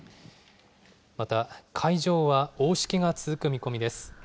また海上は大しけが続く見込みです。